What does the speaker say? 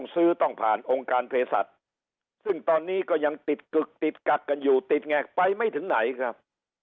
ซึ่งตอนนี้ก็ยังติดกึกติดกักกันอยู่ติดแงกไปไม่ถึงไหนครับ